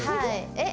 え？